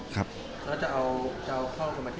แล้วจะเอาเข้ากลัวมาที่การเลยไหมครับ